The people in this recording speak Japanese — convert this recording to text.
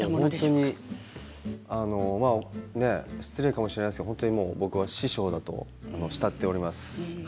本当に失礼かもしれませんけど僕は師匠だと慕っております。